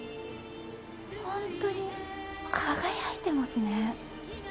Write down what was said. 本当に輝いてますね。